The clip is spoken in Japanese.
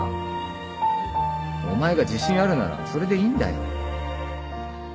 お前が自信あるならそれでいいんだよ